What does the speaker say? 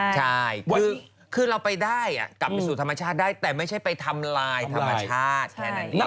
ใช่คือเราไปได้กลับไปสู่ธรรมชาติได้แต่ไม่ใช่ไปทำลายธรรมชาติแค่นั้นเอง